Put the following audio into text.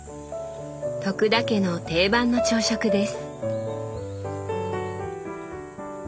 田家の定番の朝食です。